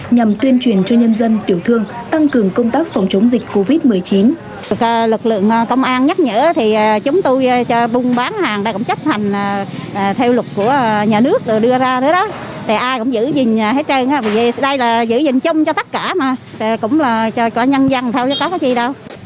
nhằm tuyên truyền cho nhân dân tiểu thương tăng cường công tác phòng chống dịch covid một mươi chín